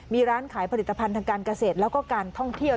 มีร้านขายผลิตภัณฑ์ทางการเกษตรแล้วก็การท่องเที่ยว